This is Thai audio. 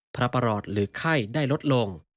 พระประหลอดหรือไข้ได้ลดลง